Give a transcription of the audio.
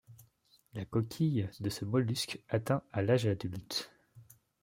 La coquille de ce mollusque atteint à l'âge adulte.